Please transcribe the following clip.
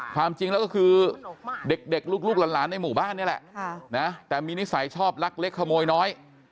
ความจริงแล้วก็คือเด็กลูกหลานในหมู่บ้านนี่แหละแต่มีนิสัยชอบลักเล็กขโมยน้อย